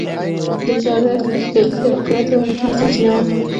تجارت کې ښکېلتیا د قدرت یوه مهمه سرچینه وه.